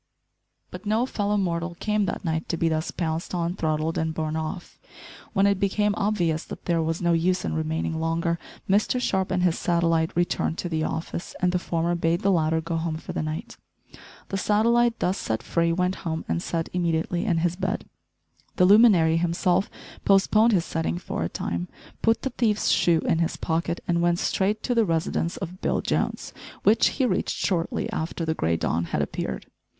But no fellow mortal came that night to be thus pounced on, throttled, and borne off. When it became obvious that there was no use in remaining longer, Mr Sharp and his satellite returned to the office, and the former bade the latter go home for the night. The satellite, thus set free, went home and set immediately in his bed. The luminary himself postponed his setting for a time, put the thief's shoe in his pocket and went straight to the residence of Bill Jones, which he reached shortly after the grey dawn had appeared.